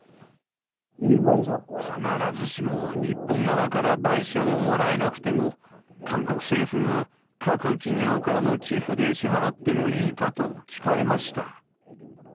必ずしも日本側から賠償をもらえなくても、韓国政府が各企業からの寄付で支払ってもいいかと聞かれました。